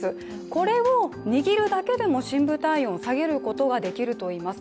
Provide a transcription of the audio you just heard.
これを握るだけでも深部体温下げることができるといいます。